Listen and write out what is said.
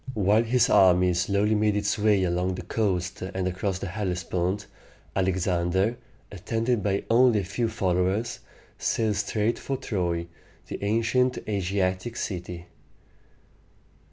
While his army slowly made its way along the coast and across the Hellespont, Alexander, attended by only a few followers, sailed straight for Troy, the ancient Asiatic city.